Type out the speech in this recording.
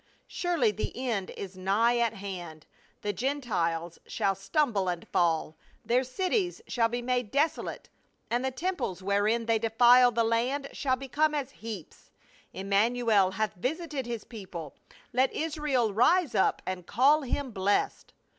Surely the end is nigh at hand ; the Gentiles shall stumble and fall ; their cities shall be made deso late, and the temples wherein they defile the land shall become as heaps. Immanuel hath visited his people, let Israel rise up and call him blessed."